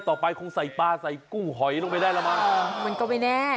ต่อไปคงใส่ปลาใส่กุ้งหอยลงไปได้มันก็ไม่แน่